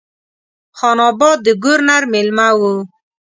خان آباد د ګورنر مېلمه وم.